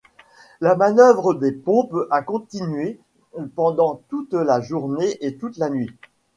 La manœuvre des pompes a continué pendant toute la journée et toute la nuit.